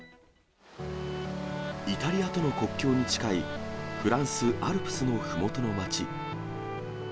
イタリアとの国境に近い、フランス・アルプスのふもとの町。